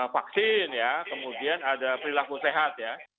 vaksin ya kemudian ada perilaku sehat ya